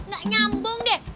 gak nyambung deh